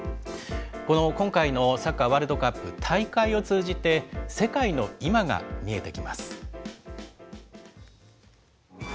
この今回のサッカーワールドカップ、大会を通じて、世界の今が見えてきます。